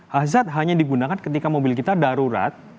hazard hanya digunakan ketika mobil kita darurat